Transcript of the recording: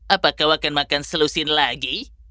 apa kau akan makan selusin lagi